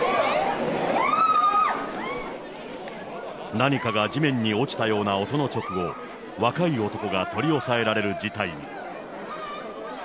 何かが地面に落ちたような音の直後、若い男が取り押さえられる事態に。